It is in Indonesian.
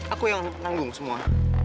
aku yang nanggung semua